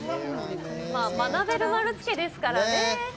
「学べる丸つけ」ですからね。